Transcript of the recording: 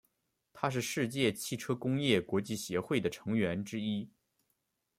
它是世界汽车工业国际协会的成员之一。